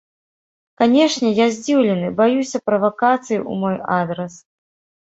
Канешне, я здзіўлены, баюся правакацый у мой адрас.